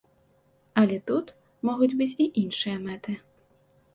Але тут могуць быць і іншыя мэты.